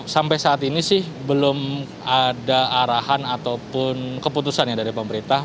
sampai saat ini sih belum ada arahan ataupun keputusan ya dari pemerintah